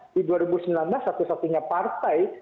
di dua ribu sembilan belas satu satunya partai